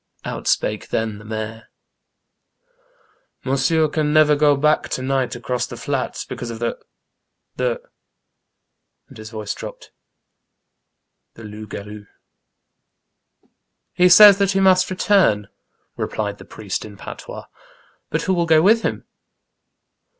Out spake tben the mayor —Monsieur can never go back to nigbt across tbe flats, because of tbe — tbe —*' and bis voice dropped ;tbe loups garoux." He says tbat be must return !" replied tbe priest in patois. But wbo will go witb him